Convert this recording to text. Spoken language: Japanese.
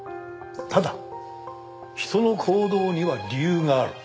ただ人の行動には理由がある。